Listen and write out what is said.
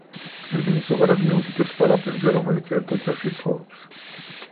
ტერმინი ზოგადად მიუთითებს ყველა პირზე, რომელიც ერთ ოჯახში ცხოვრობს.